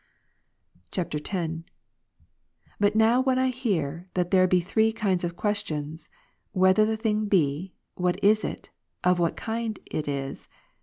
[X.] 17. But now when I hear that there be three kinds of questions, " Whether the thing be ? what it is ? of what kind it is